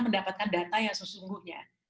mendapatkan data yang sesungguhnya